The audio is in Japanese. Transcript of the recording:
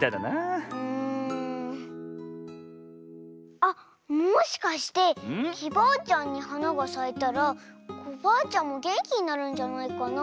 あっもしかしてきバアちゃんにはながさいたらコバアちゃんもげんきになるんじゃないかな？